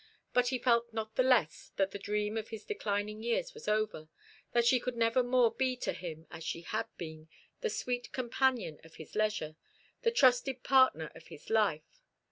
But he felt not the less that the dream of his declining years was over that she could never more be to him as she had been, the sweet companion of his leisure, the trusted partner of his life.